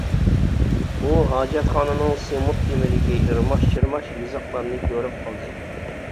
ئۇ ھاجەتخانىنىڭ سېمونت تېمىدىكى ئىرماش-چىرماش يېزىقلارنى كۆرۈپ قالدى.